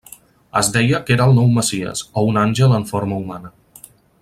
Es deia que era el nou messies, o un àngel en forma humana.